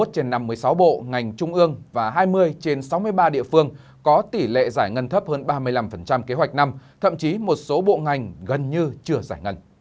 hai mươi trên năm mươi sáu bộ ngành trung ương và hai mươi trên sáu mươi ba địa phương có tỷ lệ giải ngân thấp hơn ba mươi năm kế hoạch năm thậm chí một số bộ ngành gần như chưa giải ngân